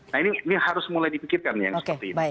nah ini harus mulai dipikirkan yang seperti ini